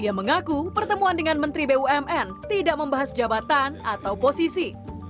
ia mengaku pertemuan dengan menteri bumn tidak membahas jabatan atau posisi